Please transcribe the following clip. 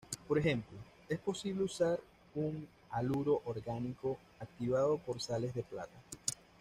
Por ejemplo, es posible usar un haluro orgánico, activado por sales de plata.